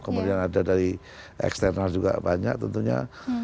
kemudian ada dari eksternal juga banyak tentunya